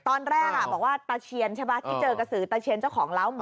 ตอนแรกบอกว่าตาเชียนใช่ไหมที่เจอกระสือตะเชียนเจ้าของเล้าหมอ